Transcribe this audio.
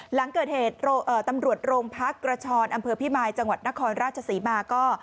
หลังเกิดเหตุตำรวจโรงพักกระชอนอำเภอพิมายจังหวัดนครราชศรีมาก็